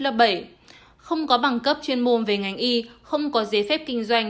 lớp bảy không có bằng cấp chuyên môn về ngành y không có giấy phép kinh doanh